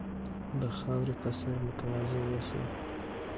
د خاورې په څېر متواضع اوسئ.